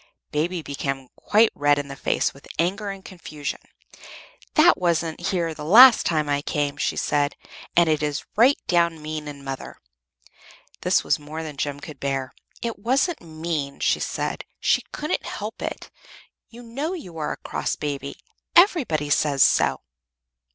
Baby became quite red in the face with anger and confusion. "That wasn't here the last time I came," she said. "And it is right down mean in mother!" This was more than Jem could bear. "It wasn't mean," she said. "She couldn't help it. You know you are a cross baby everybody says so."